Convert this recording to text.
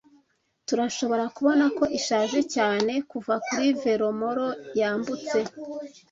turashobora kubona ko ishaje cyane kuva kuri velomoro yambutse